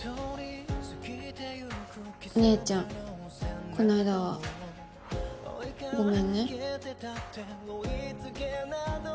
お姉ちゃんこないだはごめんね。